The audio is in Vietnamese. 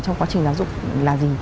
trong quá trình giáo dục là gì